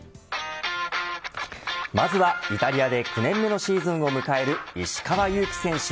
まずはイタリアで９年目のシーズンを迎える石川祐希選手。